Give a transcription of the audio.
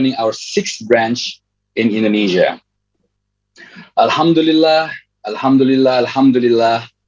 enam bagian kami di indonesia alhamdulillah alhamdulillah alhamdulillah